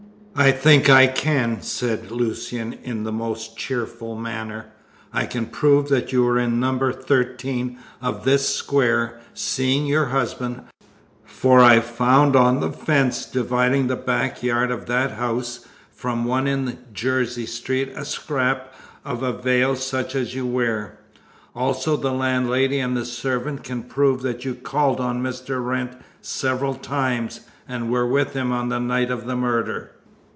"I think I can," said Lucian in the most cheerful manner. "I can prove that you were in No. 13 of this Square, seeing your husband, for I found on the fence dividing the back yard of that house from one in Jersey Street a scrap of a veil such as you wear. Also the landlady and servant can prove that you called on Mr. Wrent several times, and were with him on the night of the murder.